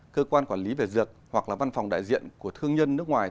cơ quan quản lý về dược hoặc là văn phòng đại diện của thương nhân nước ngoài